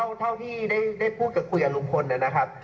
ก็ท่าที่พูดกับลุงพลนะครับ